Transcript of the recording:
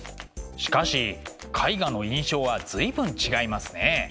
しかし絵画の印象は随分違いますね。